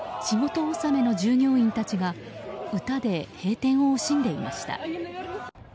仕事納めの従業員たちが歌で閉店を惜しんでいました。